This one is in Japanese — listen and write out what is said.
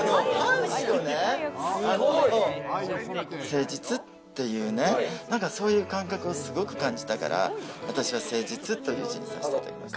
誠実っていうね、なんか、そういう感覚をすごく感じたから、私は誠実という字にさせていただきました。